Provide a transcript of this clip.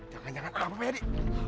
jangan jangan apa pak edi